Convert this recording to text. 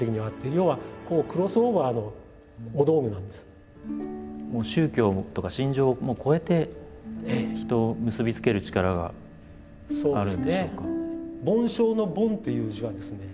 要はもう宗教とか信条を超えて人を結び付ける力があるんでしょうか？